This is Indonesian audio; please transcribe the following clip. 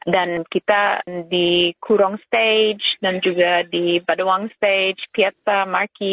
dan kita di kurong stage dan juga di badawang stage piatta marki